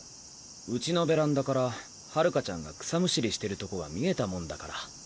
うちのベランダから春夏ちゃんが草むしりしてるとこが見えたもんだから。